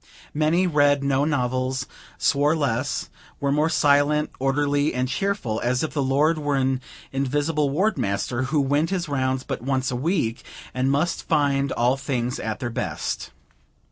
Many read no novels, swore less, were more silent, orderly, and cheerful, as if the Lord were an invisible Ward master, who went his rounds but once a week, and must find all things at their best.